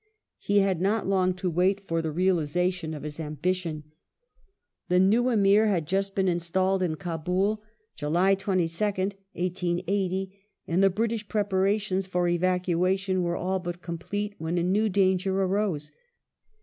He had not to wait long for the realization of his ambition. The new Arair had just been installed in Kabul (July 22nd, 1880) Roberts's and the British preparations for evacuation were all but complete ]J^J^^^jJ° when a new danger arose.